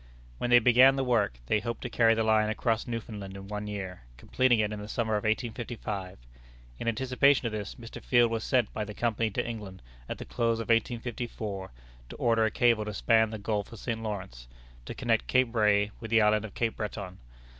When they began the work, they hoped to carry the line across Newfoundland in one year, completing it in the summer of 1855. In anticipation of this, Mr. Field was sent by the Company to England at the close of 1854, to order a cable to span the Gulf of St. Lawrence, to connect Cape Ray with the island of Cape Breton.